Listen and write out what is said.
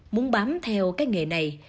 muốn bám theo cái nghề này